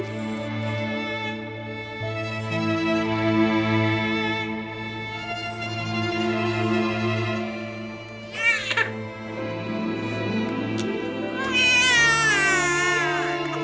ibu harus setia untuk lakukan apa yang saya berikan